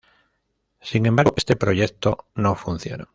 Sin embargo, este proyecto no funcionó.